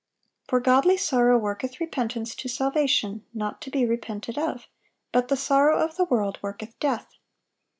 "For godly sorrow worketh repentance to salvation not to be repented of: but the sorrow of the world worketh death.